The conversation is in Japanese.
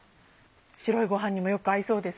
白いご飯にもよく合いそうです。